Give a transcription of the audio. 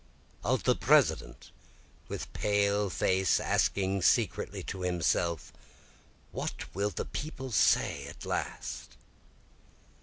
Of the President with pale face asking secretly to himself, What will the people say at last?